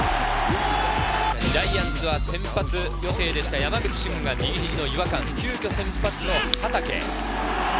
ジャイアンツは先発予定だった山口俊が右肘の違和感、急きょ先発の畠。